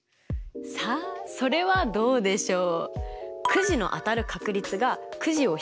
さあそれはどうでしょう？